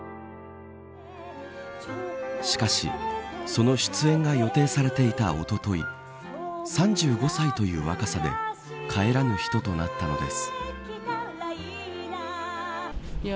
しかし、その出演が予定されていたおととい３５歳という若さで帰らぬ人となったのです。